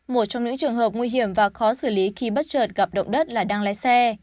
một trong những trường hợp nguy hiểm và khó xử lý khi bất chợt gặp động đất là đang lái xe